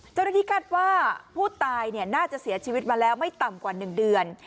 เจ้าหน้าที่คาดว่าผู้ตายน่าจะเสียชีวิตมาแล้วไม่ต่ำกว่า๑เดือน